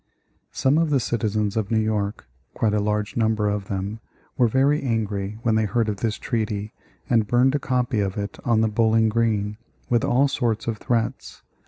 Some of the citizens of New York, quite a large number of them, were very angry when they heard of this treaty and burned a copy of it on the Bowling Green, with all sorts of threats.